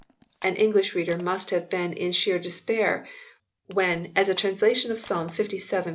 An English reader must have been in sheer despair, when, as a translation of Psalm Ivii.